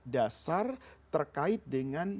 dasar terkait dengan